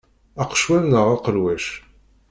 Aqecwal neɣ aqelwac?